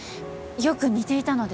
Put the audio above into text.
よく似ていたので。